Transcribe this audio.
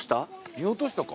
見落としたか？